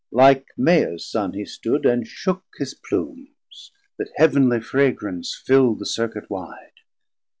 Like Maia's son he stood, And shook his Plumes, that Heav'nly fragrance filld The circuit wide.